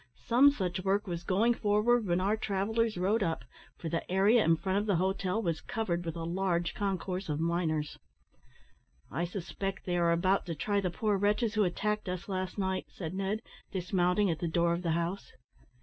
Some such work was going forward when our travellers rode up, for the area in front of the hotel was covered with a large concourse of miners. "I suspect they are about to try the poor wretches who attacked us last night," said Ned, dismounting at the door of the house.